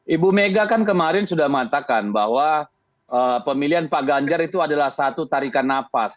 ibu mega kan kemarin sudah mengatakan bahwa pemilihan pak ganjar itu adalah satu tarikan nafas